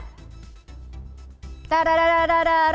yes angpal atau tidak